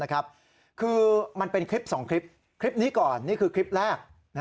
คือมันเป็นคลิป๒คลิปคลิปนี้ก่อนนี่คือคลิปแรก